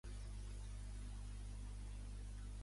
Se n'enamora i aquest fet capgira la seva vida.